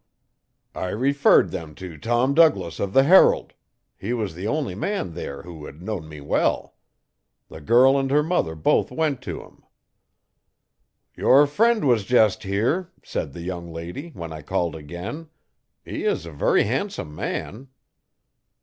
I referred them to Tom Douglass of the Herald he was the only man there who had known me well. The girl and her mother both went to him. "Your friend was just here," said the young lady, when I called again. "He is a very handsome man."